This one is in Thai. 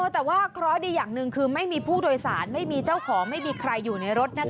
แต่ว่าเคราะห์ดีอย่างหนึ่งคือไม่มีผู้โดยสารไม่มีเจ้าของไม่มีใครอยู่ในรถนะคะ